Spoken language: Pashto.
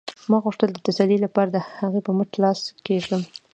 ما غوښتل د تسلۍ لپاره د هغې په مټ لاس کېږدم